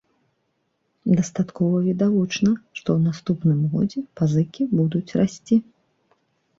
Дастаткова відавочна, што ў наступным годзе пазыкі будуць расці.